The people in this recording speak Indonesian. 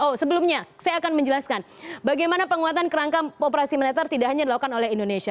oh sebelumnya saya akan menjelaskan bagaimana penguatan kerangka operasi militer tidak hanya dilakukan oleh indonesia